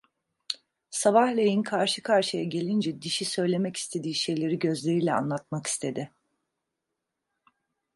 Sabahleyin karşı karşıya gelince dişi söylemek istediği şeyleri gözleriyle anlatmak istedi.